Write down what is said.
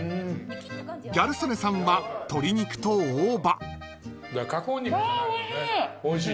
［ギャル曽根さんは鶏肉と大葉］わおいしい。